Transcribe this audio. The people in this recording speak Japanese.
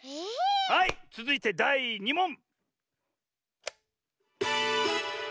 はいつづいてだい２もん！